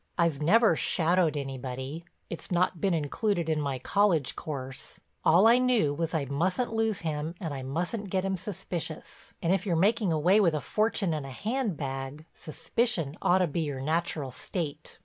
I've never shadowed anybody—it's not been included in my college course—all I knew was I mustn't lose him and I mustn't get him suspicious, and if you're making away with a fortune in a handbag, suspicion ought to be your natural state.